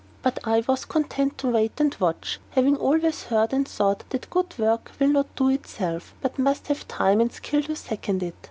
But I was content to wait and watch, having always heard and thought that good work will not do itself, but must have time and skill to second it.